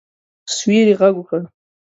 سیوري غږ وکړ.